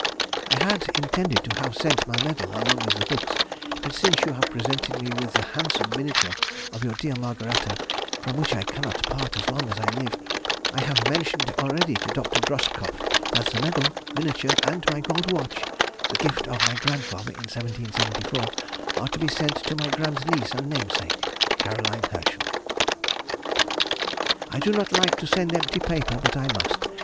I had intended to have sent my medal along with the books, but since you have presented me with the handsome miniature of your dear Margaretta, from which I cannot part as long as I live, I have mentioned already to Dr. Groskopf that the medal, miniature, and my gold watch (the gift of her grandfather in 1774), are to be sent to my grand niece and namesake, C. H. I do not like to send empty paper, but I must.